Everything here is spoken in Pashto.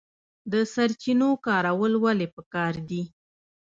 د سرچینو کارول ولې پکار دي؟